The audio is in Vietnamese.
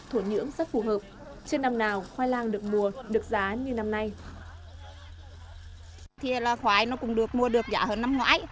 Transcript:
hổ nhưỡng rất phù hợp trên năm nào khoai lang được mua được giá như năm nay